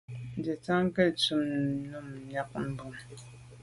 Ntsenyà nke ntum num miag mube.